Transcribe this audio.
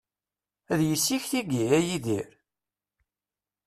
D yessi-k tigi, a Yidir?